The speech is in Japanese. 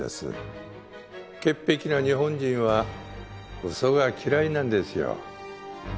潔癖な日本人は嘘が嫌いなんですよ。